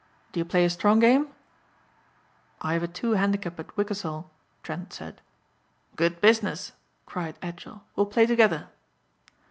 "Do you play a strong game?" "I have a two handicap at Wykasol," Trent said. "Good business," cried Edgell, "we'll play together."